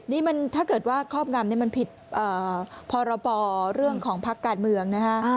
นี่มันถ้าเกิดว่าครอบงำนี่มันผิดพรบเรื่องของพักการเมืองนะฮะ